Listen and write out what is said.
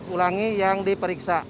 ulangi yang diperiksa